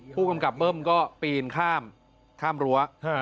ผู้กำกับเบิ้มก็ปีนข้ามรั้ว